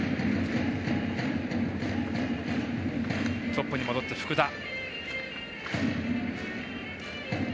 トップに戻って福田。